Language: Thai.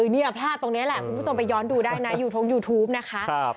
นี่พลาดตรงนี้แหละคุณผู้ชมไปย้อนดูได้นะยูทงยูทูปนะคะ